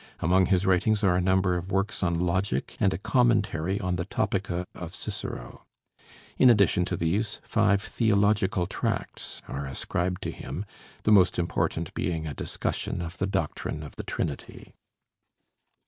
Among his writings are a number of works on logic and a commentary on the 'Topica' of Cicero. In addition to these, five theological tracts are ascribed to him, the most important being a discussion of the doctrine of the Trinity.